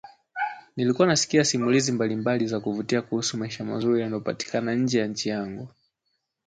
nilikuwa nasikia simulizi mbalimbali za kuvutia kuhusu maisha mazuri yanayopatikana nje ya nchi yangu